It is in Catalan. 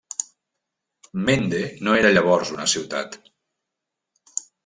Mende no era llavors una ciutat.